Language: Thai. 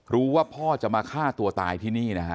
รู้ว่าพ่อจะมาฆ่าตัวตายที่นี่นะฮะ